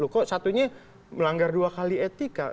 kok satunya melanggar dua kali etika